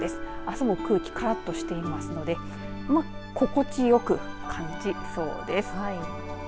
あすも空気からっとしていますので心地よく感じそうです。